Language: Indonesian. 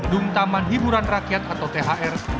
dung taman hiburan rakyat atau thr